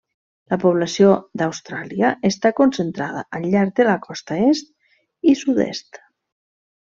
La població d'Austràlia està concentrada al llarg de la costa est i sud-est.